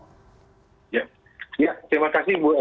ya terima kasih bu el